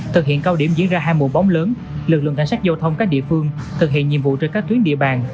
thực hiện cao điểm diễn ra hai mùa bóng lớn lực lượng cảnh sát giao thông các địa phương thực hiện nhiệm vụ trên các tuyến địa bàn